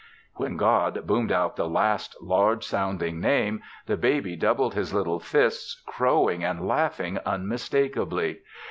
When God boomed out the last large sounding name, the baby doubled his little fists, crowing and laughing unmistakably.